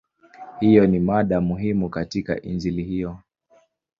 Hiyo ni mada muhimu katika Injili hiyo.